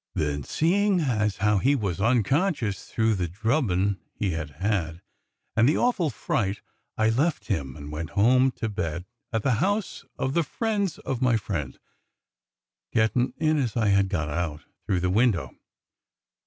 Then seein' as how he was unconscious through the drubbin' he had had, and the a^ ful fright, I left him and went home to bed at the house of the friends of my friend, gettin' in as I had got out — through the window.